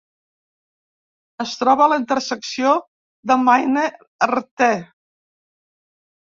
Es troba a la intersecció de Maine Rte.